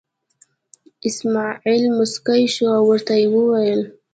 اسمعیل موسکی شو او ورته یې وویل.